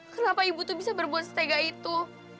kenapa ibu tuh bisa berbuat setega itu